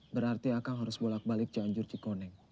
berarti akang harus bolak balik cianjur cikoneng